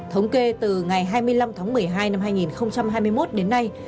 thống kê từ ngày hai mươi năm tháng một mươi hai năm hai nghìn hai mươi một đến nay